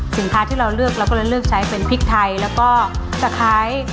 สินค้าที่เราเลือกเราก็เลยเลือกใช้เป็นพริกไทยแล้วก็ตะไคร้